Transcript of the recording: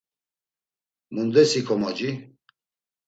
Mundes ikomoci?